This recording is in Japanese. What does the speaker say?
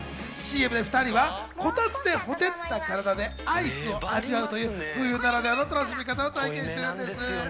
ＣＭで２人はコタツで火照った体でアイスを味わうという冬ならではの楽しみ方を体験してるんです。